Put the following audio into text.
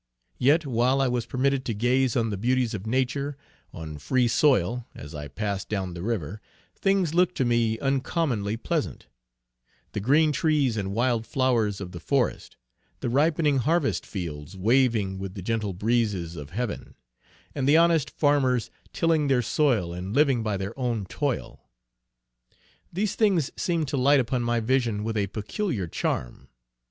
Yet, while I was permitted to gaze on the beauties of nature, on free soil, as I passed down the river, things looked to me uncommonly pleasant: The green trees and wild flowers of the forest; the ripening harvest fields waving with the gentle breezes of Heaven; and the honest farmers tilling their soil and living by their own toil. These things seem to light upon my vision with a peculiar charm.